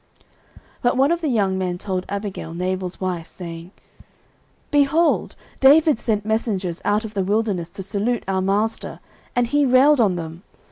09:025:014 But one of the young men told Abigail, Nabal's wife, saying, Behold, David sent messengers out of the wilderness to salute our master; and he railed on them.